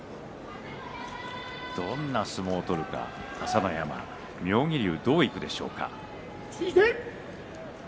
どんな相撲を取るか朝乃山妙義龍はどういくでしょうか。